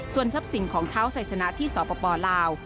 ส่วนทรัพย์สินของเท้าไซสนะที่สปลาว